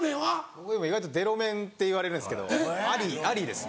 僕でも意外とデロ麺っていわれるんですけどありありですね。